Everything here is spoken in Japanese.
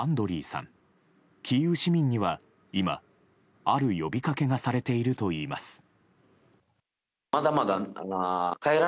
キーウ市民には今ある呼びかけがされているといいます。